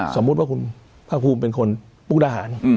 ซมมติว่าพระภูมิเป็นคนมุคดารหาญ